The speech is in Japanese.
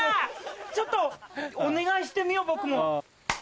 ちょっとお願いしてみよう僕も。